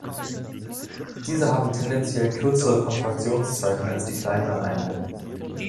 Diese haben tendenziell kürzere Kontraktionszeiten als die kleineren Einheiten.